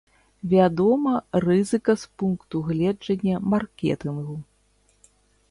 Вядома, рызыка з пункту гледжання маркетынгу.